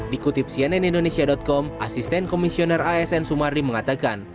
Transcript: dikutip cnn indonesia com asisten komisioner asn sumardi mengatakan